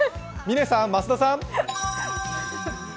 嶺さん、増田さん。